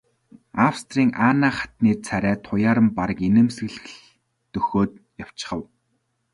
Австрийн Анна хатны царай туяаран бараг инээмсэглэх дөхөөд явчихав.